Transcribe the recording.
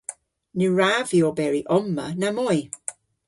Ny wrav vy oberi omma namoy.